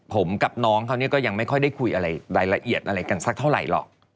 ผมกับน้องเขาเนี่ยก็ยังไม่ค่อยได้คุยอะไรรายละเอียดอะไรกันสักเท่าไหร่หรอก